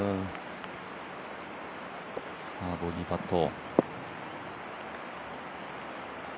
さあ、ボギーパット。